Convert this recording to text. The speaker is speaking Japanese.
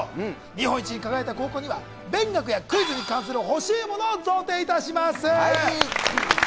日本一に輝いた高校には勉学やクイズに関する欲しいものを贈呈いたします！